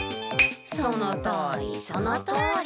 そのとおりそのとおり。